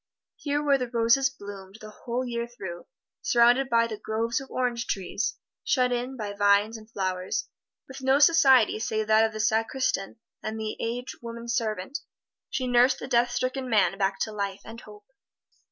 Here where the roses bloomed the whole year through, surrounded by groves of orange trees, shut in by vines and flowers, with no society save that of the sacristan and an aged woman servant, she nursed the death stricken man back to life and hope.